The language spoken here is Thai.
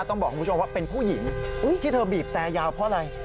ต้องบอกคุณผู้ชมว่าเป็นผู้หญิงที่เธอบีบแต่ยาวเพราะอะไร